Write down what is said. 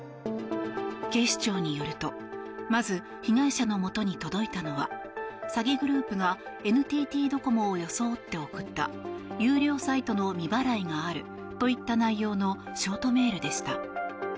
警視庁によるとまず、被害者のもとに届いたのは詐欺グループがＮＴＴドコモを装って送った有料サイトの未払いがあるといった内容のショートメールでした。